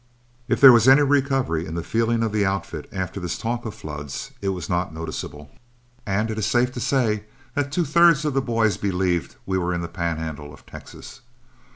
If there was any recovery in the feelings of the outfit after this talk of Flood's, it was not noticeable, and it is safe to say that two thirds of the boys believed we were in the Pan handle of Texas.